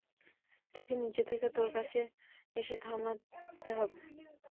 এটাকে নিজে থেকে তোর কাছে এসে থামতে হবে।